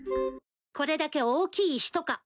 これだけ大きい石とか。